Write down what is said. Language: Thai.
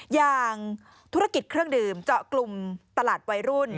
อย่างธุรกิจเครื่องดื่มเจาะกลุ่มตลาดวัยรุ่น